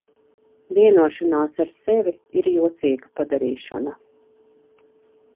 Vienošanās ar sevi ir jocīga padarīšana.